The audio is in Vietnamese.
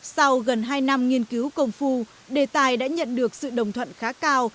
sau gần hai năm nghiên cứu công phu đề tài đã nhận được sự đồng thuận khá cao